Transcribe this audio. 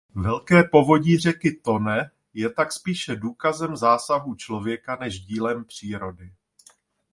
Velké povodí řeky "Tone" je tak spíše důsledkem zásahů člověka než dílem přírody.